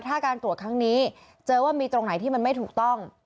ถ้าการตรวจครั้งนี้เจอว่ามีตรงไหนที่มันไม่ถูกต้อง